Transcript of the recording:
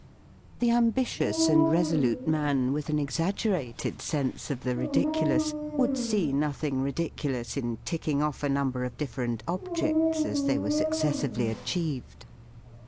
The ambitious and resolute man, with an exaggerated sense of the ridi culous, would see nothing ridiculous in ticking off a number of different ob THE FEAST OF ST FRIEND jects as they were successively achieved.